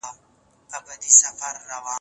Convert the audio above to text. د اوړي په موسم کې یخې اوبه خوند کوي.